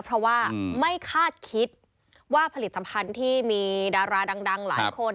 เพราะว่าไม่คาดคิดว่าผลิตภัณฑ์ที่มีดาราดังหลายคน